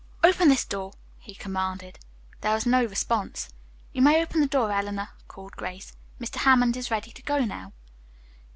"Open this door," he commanded. There was no response. "You may open the door, Eleanor," called Grace. "Mr. Hammond is ready to go now."